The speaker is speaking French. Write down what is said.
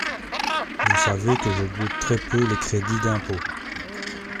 Vous savez que je goûte très peu les crédits d’impôt.